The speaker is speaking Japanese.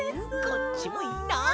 こっちもいいな！